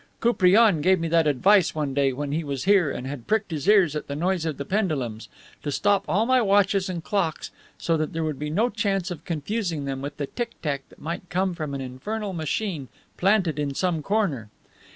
Koupriane gave me that advice one day when he was here and had pricked his ears at the noise of the pendulums, to stop all my watches and clocks so that there would be no chance of confusing them with the tick tack that might come from an infernal machine planted in some corner.